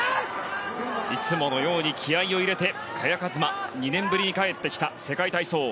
いつものように気合を入れて萱和磨、２年ぶりに帰ってきた世界体操。